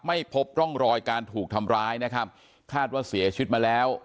ไม่พบร่องรอยการถูกทำร้ายนะครับคาดว่าเสียชีวิตมาแล้ว